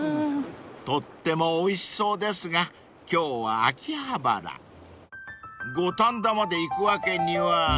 ［とってもおいしそうですが今日は秋葉原］［五反田まで行くわけには］